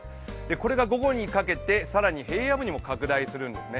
これが午後にかけて更に平野部にも拡大するんですね。